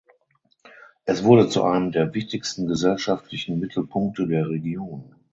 Es wurde zu einem der wichtigsten gesellschaftlichen Mittelpunkte der Region.